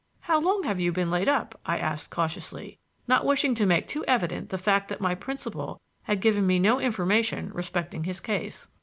"How long have you been laid up?" I asked cautiously, not wishing to make too evident the fact that my principal had given me no information respecting his case.